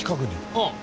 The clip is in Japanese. ああ。